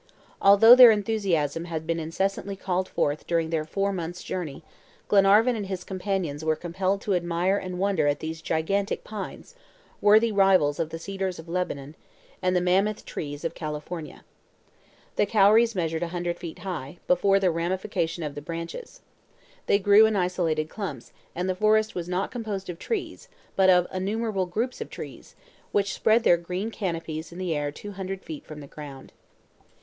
Although their enthusiasm had been incessantly called forth during their four months' journey, Glenarvan and his companions were compelled to admire and wonder at those gigantic pines, worthy rivals of the Cedars of Lebanon, and the "Mammoth trees" of California. The kauris measured a hundred feet high, before the ramification of the branches. They grew in isolated clumps, and the forest was not composed of trees, but of innumerable groups of trees, which spread their green canopies in the air two hundred feet from the ground.